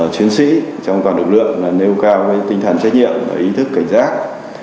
chiến sĩ trong toàn lực lượng nêu cao tinh thần trách nhiệm và ý thức cảnh giác